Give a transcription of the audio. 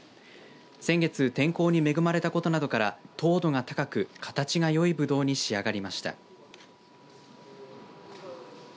先月天候に恵まれたことなどから糖度が高く、形がよいぶどうに仕上がりました。